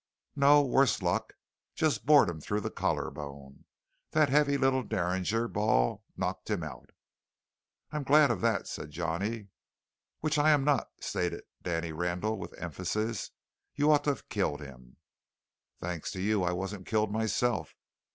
"No, worse luck; just bored him through the collarbone. That heavy little derringer ball knocked him out." "I'm glad of that," said Johnny. "Which I am not," stated Danny Randall with emphasis. "You ought to have killed him." "Thanks to you I wasn't killed myself.